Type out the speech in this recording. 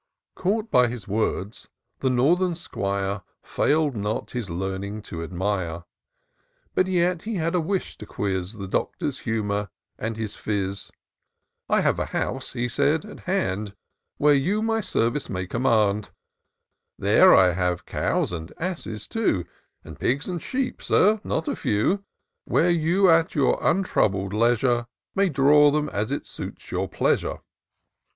Caught by his words, the northern 'Squire Fail'd not his learning to admire : But yet he had a wish to quiz The Doctor's humour, and his phiz. " I have a house," he said, " at hand. Where you my service may command; There I have cows, and asses too. And pigs, and sheep, Sir, not a few ; Where you, at your imtroubled leisure, May draw them as it suits your pleasure.